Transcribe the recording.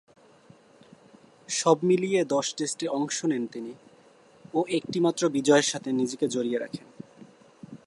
সব মিলিয়ে দশ টেস্টে অংশ নেন তিনি ও একটিমাত্র বিজয়ের সাথে নিজেকে জড়িয়ে রাখেন।